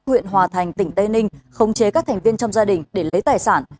huyện hòa thành tỉnh tê ninh không chế các thành viên trong gia đình để lấy tài sản